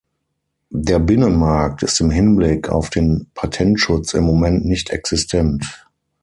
Der Binnenmarkt ist im Hinblick auf den Patentschutz im Moment nicht existent.